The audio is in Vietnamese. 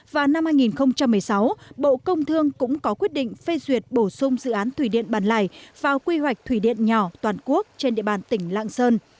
và năm hai nghìn một mươi sáu bộ công thương cũng có quyết định phê duyệt bổ sung dự án thủy điện bàn lài vào quy hoạch thủy điện nhỏ toàn quốc trên địa bàn tỉnh lạng sơn